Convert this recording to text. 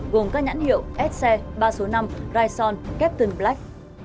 gồm các nhãn hiệu sc ba trăm sáu mươi năm rison captain black